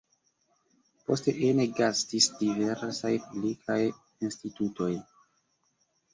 Poste ene gastis diversaj publikaj institutoj.